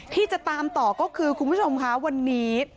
ที่จะตามต่อก็คือคุณผู้ชมค่ะวันนี้